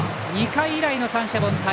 ２回以来の三者凡退。